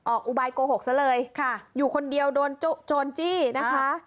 อุบายโกหกซะเลยอยู่คนเดียวโดนโจรจี้นะคะ